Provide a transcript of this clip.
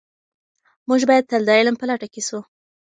موږ باید تل د علم په لټه کې سو.